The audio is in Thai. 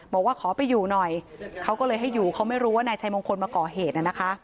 บอกว่าขอไปอยู่หน่อยเขาก็เลยให้อยู่เขาไม่รู้ว่านายชัยมงคลมาก่อเหตุนะคะ